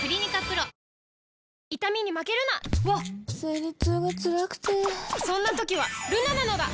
わっ生理痛がつらくてそんな時はルナなのだ！